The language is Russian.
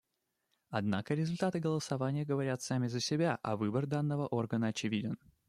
Однако результаты голосования говорят сами за себя, а выбор данного органа очевиден.